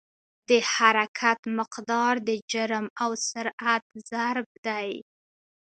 د حرکت مقدار د جرم او سرعت ضرب دی.